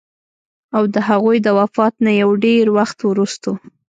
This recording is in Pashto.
او د هغوي د وفات نه يو ډېر وخت وروستو